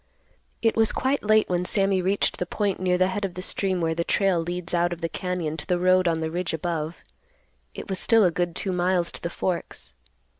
It was quite late when Sammy reached the point near the head of the stream where the trail leads out of the cañon to the road on the ridge above. It was still a good two miles to the Forks.